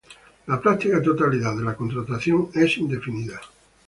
La práctica totalidad de la contratación es indefinida.